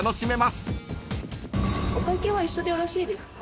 お会計は一緒でよろしいですか？